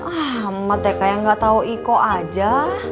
ah emang tk yang gak tau iko aja